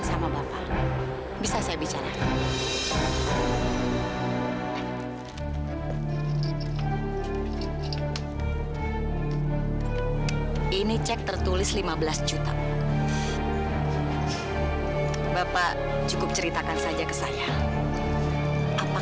sampai jumpa di video selanjutnya